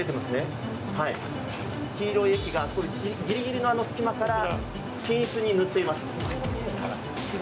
黄色い液をギリギリの隙間から均一に塗ってあります。